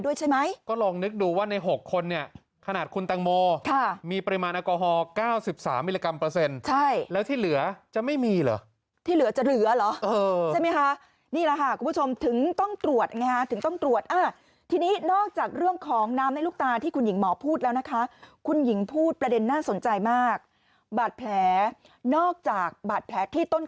ด้วยใช่ไหมก็ลองนึกดูว่าใน๖คนเนี่ยขนาดคุณตังโมค่ะมีปริมาณแอลกอฮอล๙๓มิลลิกรัมเปอร์เซ็นต์ใช่แล้วที่เหลือจะไม่มีเหรอที่เหลือจะเหลือเหรอใช่ไหมคะนี่แหละค่ะคุณผู้ชมถึงต้องตรวจไงฮะถึงต้องตรวจทีนี้นอกจากเรื่องของน้ำในลูกตาที่คุณหญิงหมอพูดแล้วนะคะคุณหญิงพูดประเด็นน่าสนใจมากบาดแผลนอกจากบาดแผลที่ต้น